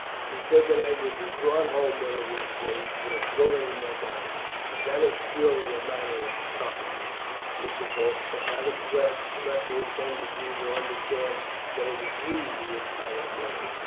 "He said that I would be brought home one of these days with a bullet in my body." "That is purely a matter of prophecy, Mr. Faulkner, and not a threat, unless he intended you to understand that it was he who would fire the bullet.